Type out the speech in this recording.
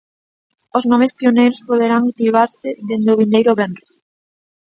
Os nomes pioneiros poderán activarse dende o vindeiro venres.